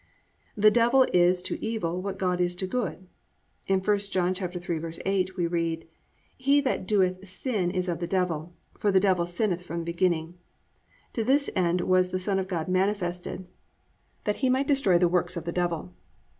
2. The Devil is to evil what God is to good. In I John 3:8, we read: +"He that doeth sin is of the devil; for the devil sinneth from the beginning. To this end was the son of God manifested, that he might destroy the works of the devil."